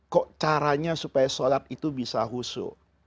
kok caranya supaya sholat itu bisa husu